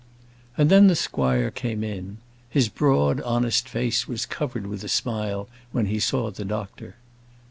And then the squire came in. His broad, honest face was covered with a smile when he saw the doctor.